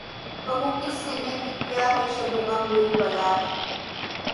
کہوں کس سے میں کہ کیا ہے شبِ غم بری بلا ہے